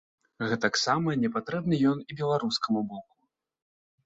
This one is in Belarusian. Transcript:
Гэтаксама не патрэбны ён і беларускаму боку.